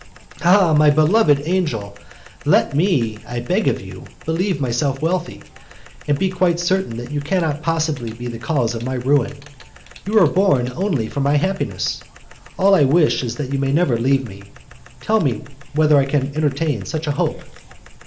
"Ah, my beloved angel! let me, I beg of you, believe myself wealthy, and be quite certain that you cannot possibly be the cause of my ruin. You were born only for my happiness. All I wish is that you may never leave me. Tell me whether I can entertain such a hope."